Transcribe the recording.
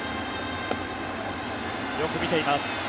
よく見ています。